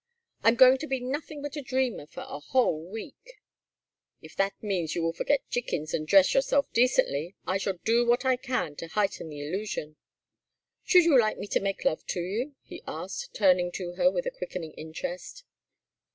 "I'm going to be nothing but a dreamer for a whole week." "If that means that you will forget chickens, and dress yourself decently, I shall do what I can to heighten the illusion. Should you like me to make love to you?" he asked, turning to her with a quickening interest.